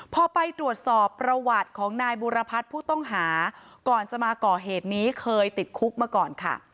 พอไปตรวจสอบประวัติของนายบุรพัฒน์ผู้ต้องหาก่อนจะมาก่อเหตุนี้เคยติดคุกมาก่อนค่ะ